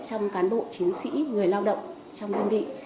trong cán bộ chiến sĩ người lao động trong đơn vị